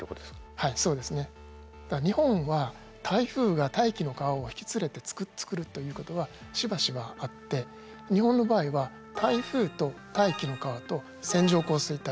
はいそうですね。日本は台風が大気の河を引き連れて作るということはしばしばあって日本の場合は台風と大気の河と線状降水帯